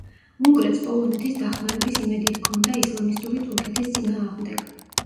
უნგრეთს პოლონეთის დახმარების იმედი ჰქონდა ისლამისტური თურქეთის წინააღმდეგ.